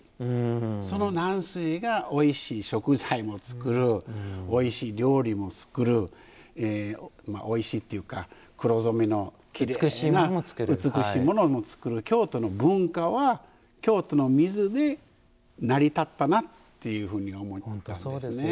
その軟水がおいしい食材も作るおいしい料理も作るおいしいというか黒染めの美しいものも作る京都の文化は京都の水で成り立ったなというふうに思います。